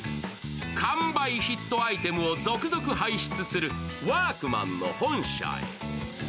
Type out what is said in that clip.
完売ヒットアイテムを続々輩出するワークマンの本社へ。